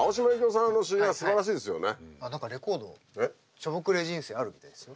「ショボクレ人生」あるみたいですよ。